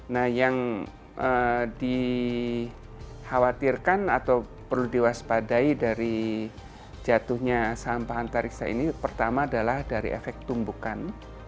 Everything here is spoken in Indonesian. nah yang dikhawatirkan atau perlu diwaspadai dari jatuhnya sampah antariksa ini pertama adalah dari efek tumbukan